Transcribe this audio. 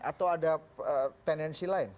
atau ada tendensi lain